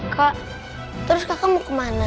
kak terus kakak mau kemana